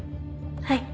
はい。